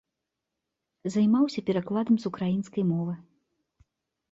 Займаўся перакладам з украінскай мовы.